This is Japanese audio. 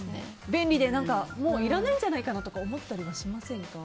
便利でもういらないんじゃないかなとか思ったりはしませんか？